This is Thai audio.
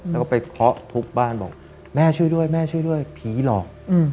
แล้วก็ไปเคาะทุกบ้านบอกแม่ช่วยด้วยผีหลอก